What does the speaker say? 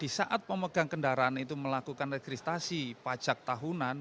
di saat pemegang kendaraan itu melakukan registrasi pajak tahunan